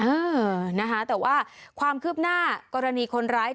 เออนะคะแต่ว่าความคืบหน้ากรณีคนร้าย